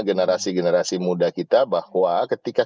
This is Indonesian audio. generasi generasi muda kita bahwa ketika